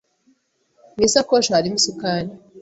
Mu isakoshi harimo isukari.